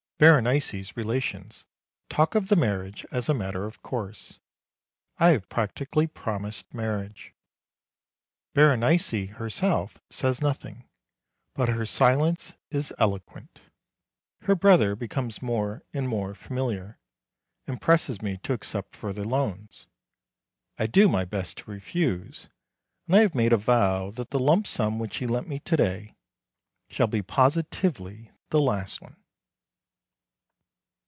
Berenice's relations talk of the marriage as a matter of course. I have practically promised marriage. Berenice herself says nothing, but her silence is eloquent. Her brother becomes more and more familiar, and presses me to accept further loans. I do my best to refuse, and I have made a vow that the lump sum which he lent me to day shall be positively the last one.